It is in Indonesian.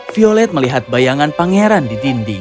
violet melihat bayangan pangeran di dinding